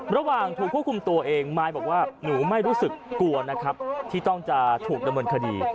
ระหว่างถูกควบคุมตัวเองมายบอกว่าหนูไม่รู้สึกกลัวนะครับที่ต้องจะถูกดำเนินคดี